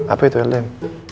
apa itu ldm